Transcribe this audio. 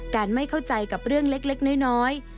ไม่เข้าใจกับเรื่องเล็กน้อย